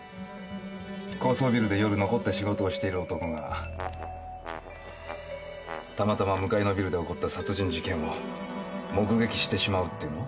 「高層ビルで夜残って仕事をしている男がたまたま向かいのビルで起こった殺人事件を目撃してしまう」ってのは？